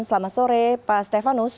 selamat sore pak stefanus